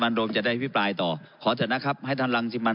ครับครับครับครับครับครับครับครับครับครับครับครับครับครับครับครับ